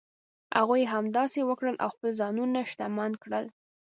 هغوی همداسې وکړل او خپل ځانونه شتمن کړل.